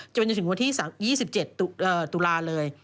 จนถึงวันที่๒๗ตุลาเลย